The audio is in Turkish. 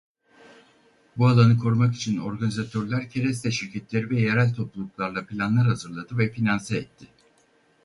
Bu alanı korumak için organizatörler kereste şirketleri ve yerel topluluklarla planlar hazırladı ve finanse etti.